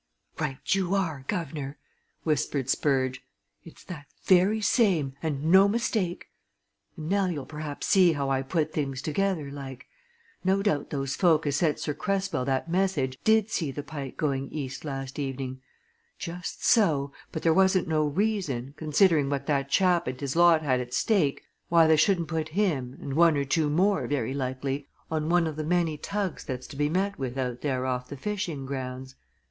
"Right you are, guv'nor," whispered Spurge. "It's that very same, and no mistake! And now you'll perhaps see how I put things together, like. No doubt those folk as sent Sir Cresswell that message did see the Pike going east last evening just so, but there wasn't no reason, considering what that chap and his lot had at stake why they shouldn't put him and one or two more, very likely, on one of the many tugs that's to be met with out there off the fishing grounds.